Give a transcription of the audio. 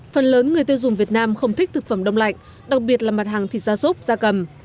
phần lớn người tiêu dùng việt nam không thích thực phẩm đông lạnh đặc biệt là mặt hàng thịt gia súc gia cầm